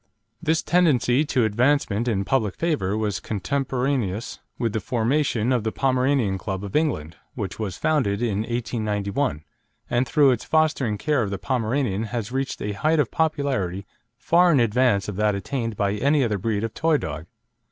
This tendency to advancement in public favour was contemporaneous with the formation of the Pomeranian Club of England, which was founded in 1891, and through its fostering care the Pomeranian has reached a height of popularity far in advance of that attained by any other breed of toy dog.